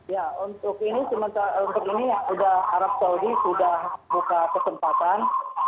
ya untuk ini arab saudi sudah buka kesempatan